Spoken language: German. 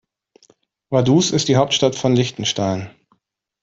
Vaduz ist die Hauptstadt von Liechtenstein.